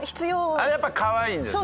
あれはやっぱかわいいんです。